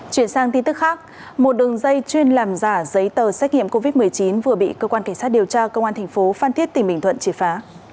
chuyển sang tin tức khác một đường dây chuyên làm giả giấy tờ xét nghiệm covid một mươi chín vừa bị cơ quan cảnh sát điều tra công an thành phố phan thiết tỉnh bình thuận triệt phá